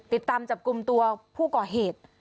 ติดตามจับกลุ่มตัวผู้ก่อเหตุ